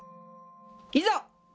いざ！